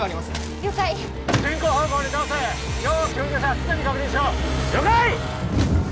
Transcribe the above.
了解進行方向に倒せ要救助者常に確認しろ了解！